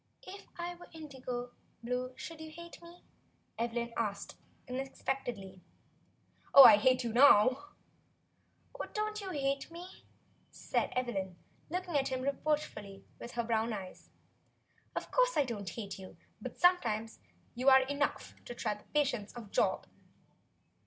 "If I were indigo blue should you hate me?" Eve lyn asked, unexpectedly. "I hate you now." "Oh, you don't hate me," said Evelyn, looking at him reproachfully with her brown eyes. "Of course I don't hate you. But you are some times enough to try the patience of Job."